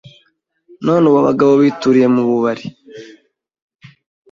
None ubu abagabo bituriye mu bubari